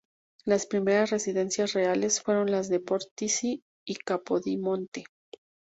Las primeras residencias reales fueron las de Portici y Capodimonte.